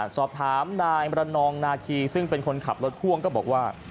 สอบถามนายมรนองนาคีซึ่งเป็นคนขับรถพ่วงก็บอกว่า